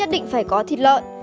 và mình là một cô gái